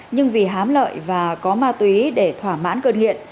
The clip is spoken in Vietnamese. nhưng vì hám lợi và có ma túy để thỏa mãn cơn nghiện